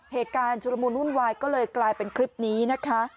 เหตุการณ์ชุดละมูลหุ้นวายก็เลยกลายเป็นคลิปนี้นะคะ